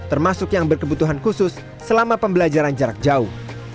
termasuk yang berkebutuhan khusus selama pembelajaran jarak jauh